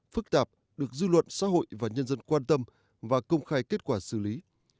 phức tạp được dư luận xã hội và nhân dân quan tâm và công khai kết quả xử lý